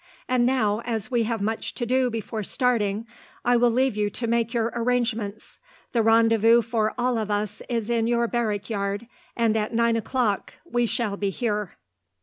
"And now, as we have much to do before starting, I will leave you to make your arrangements. The rendezvous for us all is in your barrack yard, and at nine o'clock we shall be here."